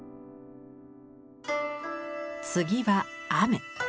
次は雨。